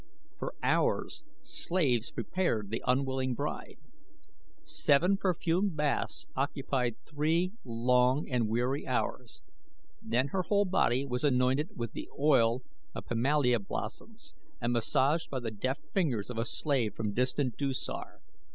For hours slaves prepared the unwilling bride. Seven perfumed baths occupied three long and weary hours, then her whole body was anointed with the oil of pimalia blossoms and massaged by the deft fingers of a slave from distant Dusar.